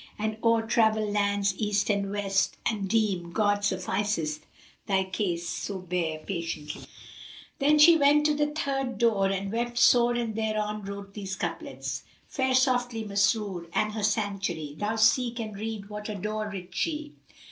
And o'er travel lands East and West, and deem * God sufficeth thy case, so bear patiently!'" Then she went to the third door and wept sore and thereon wrote these couplets, "Fare softly, Masrúr! an her sanctuary * Thou seek, and read what a door writ she.